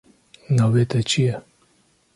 Navê te çi ye?